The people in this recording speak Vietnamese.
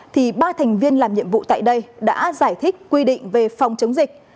thì ba thành viên làm nhiệm vụ tại đây đã giải thích quy định về phòng chống dịch